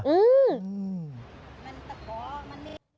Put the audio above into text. อืม